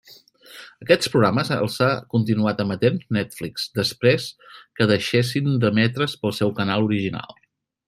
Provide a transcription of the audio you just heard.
Aquests programes els ha continuat emetent Netflix després que deixessin d'emetre's pel seu canal original.